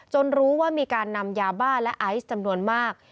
รู้ว่ามีการนำยาบ้าและไอซ์จำนวนมาก